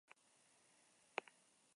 Azken urte honetan hil zen.